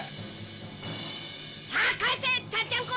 「さあ返せちゃんちゃんこ！」